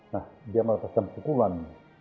nah dia meletakkan pukulan